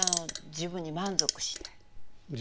自分に満足しない。